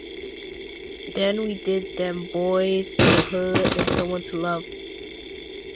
Then we did Them Boyz in the Hood and Somebody to Love.